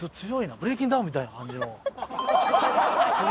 ブレイキングダウンみたいな感じの。